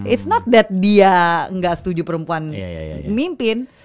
it s not that dia gak setuju perempuan mimpin